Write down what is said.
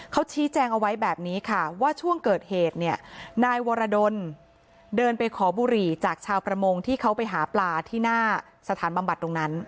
เขาชี้แจงเอาไว้แบบนี้ค่ะว่าช่วงเกิดเหตุเนี่ยนายวรดลเดินไปขอบุหรี่จากชาวประมงที่เขาไปหาปลาที่หน้าสถานบำบัดตรงนั้น